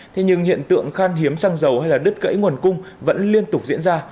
thế nhưng hiện tượng khăn hiếm xăng dầu hay là đất gãy nguồn cung vẫn liên tục diễn ra